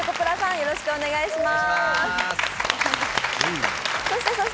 よろしくお願いします。